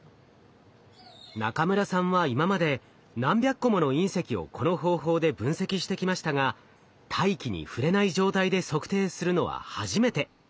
中村さんは今まで何百個もの隕石をこの方法で分析してきましたが大気に触れない状態で測定するのは初めて。